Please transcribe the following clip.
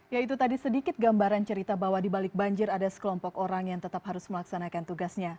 ya itu tadi sedikit gambaran cerita bahwa di balik banjir ada sekelompok orang yang tetap harus melaksanakan tugasnya